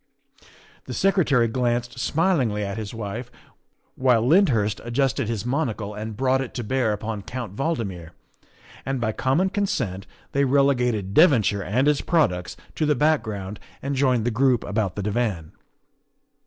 The Secretary glanced smilingly at his wife, while Lyndhurst adjusted his monocle and brought it to bear upon Count Valdmir; and by common consent they relegated Devonshire and its products to the background and joined the group about the divan.